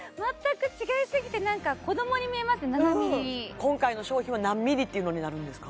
今回の商品は何ｍｍってのになるんですか？